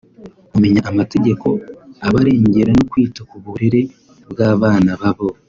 kumenya amategeko abarengera no kwita ku burere bw’abana babo